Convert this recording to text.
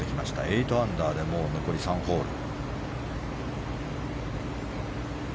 ８アンダーでもう残り３ホール。